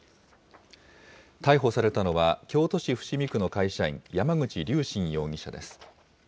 逮捕されたのは、京都市伏見区の会社員、山口龍真容疑者です。